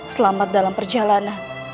selamat dalam perjalanan